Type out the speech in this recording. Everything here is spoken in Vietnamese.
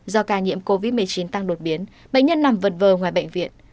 do ca nhiễm covid một mươi chín tăng đột biến bệnh nhân nằm vật vờ ngoài bệnh viện